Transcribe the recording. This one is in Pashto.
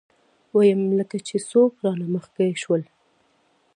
ويم لکه چې څوک رانه مخکې شول.